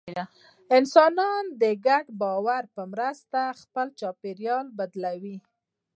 انسانان د ګډ باور په مرسته خپل چاپېریال بدلوي.